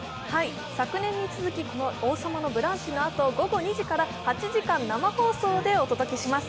昨年に続き、この「王様のブランチ」のあと午後２時から８時間生放送でお届けします。